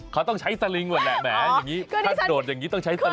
เขาต้องใช้สลิงก่อนแหละแหมอย่างนี้ถ้าโดดอย่างนี้ต้องใช้สลิ